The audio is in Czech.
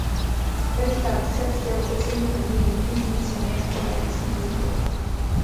Richard však chtěl od svých hrdinů i více než komerční úspěch.